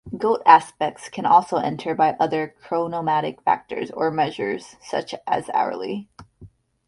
Goat aspects can also enter by other chronomantic factors or measures, such as hourly.